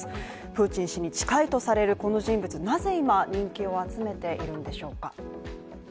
プーチン氏に近いとされるこの人物、なぜ今、人気を集めているのでしょうか。